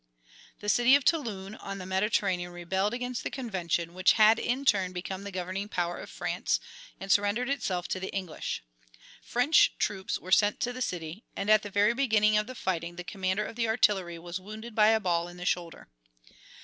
The city of Toulon on the Mediterranean rebelled against the Convention, which had in turn become the governing power of France, and surrendered itself to the English. French troops were sent to the city, and at the very beginning of the fighting the commander of the artillery was wounded by a ball in the shoulder.